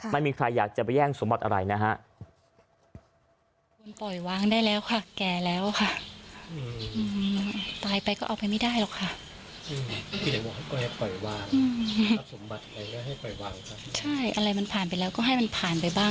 ไม่มีใครอยากจะไปแย่งสมบัติอะไรนะฮะ